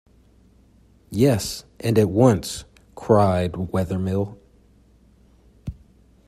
"Yes, and at once," cried Wethermill.